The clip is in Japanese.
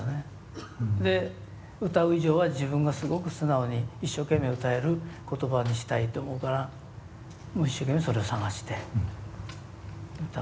で歌う以上は自分がすごく素直に一生懸命歌える言葉にしたいと思うから一生懸命それを探して歌うと。